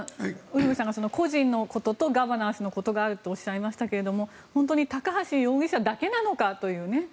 ウルヴェさんが個人のこととガバナンスのことがあるとおっしゃいましたけど本当に高橋容疑者だけなのかというね。